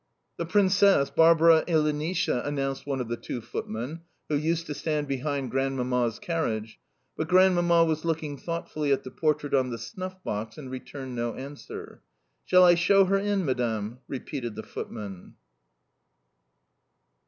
"The Princess Barbara Ilinitsha!" announced one of the two footmen who used to stand behind Grandmamma's carriage, but Grandmamma was looking thoughtfully at the portrait on the snuff box, and returned no answer. "Shall I show her in, madam?" repeated the footman.